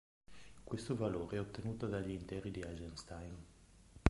Questo valore è ottenuto dagli interi di Eisenstein.